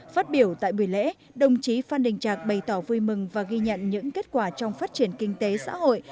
phát biểu tại buổi lễ đồng chí phan đình trạc bày tỏ vui mừng và ghi nhận những kết quả trong phát triển kinh tế xã hội